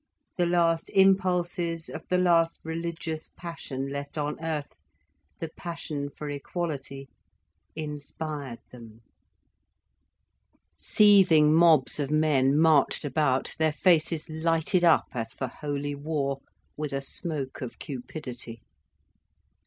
The last impulses of the last religious passion left on earth, the passion for equality, inspired them. Seething mobs of men marched about, their faces lighted up as for holy war, with a smoke of cupidity.